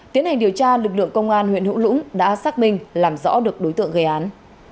tiến hành điều tra lực lượng công an huyện hữu lũng đã xác minh làm rõ được đối tượng gây án